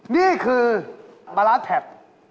ใครครับ